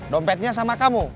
dompetnya sama kamu